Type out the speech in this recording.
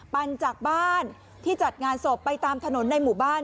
ปั่นจากบ้านที่จัดงานศพไปตามถนนในหมู่บ้าน